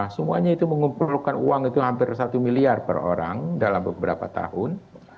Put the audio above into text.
semuanya itu mengumpulkan uang itu hampir satu miliar per orang dalam beberapa tahun